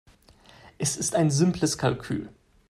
Es ist ein simples Kalkül.